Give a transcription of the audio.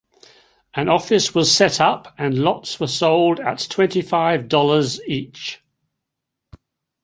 An office was set up and lots were sold at twenty-five dollars each.